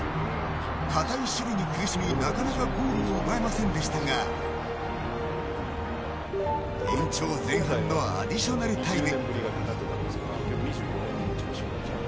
堅い守備に苦しみ、なかなかゴールを奪えませんでしたが延長前半のアディショナルタイム。